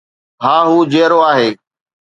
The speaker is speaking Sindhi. ها، هو جيئرو آهي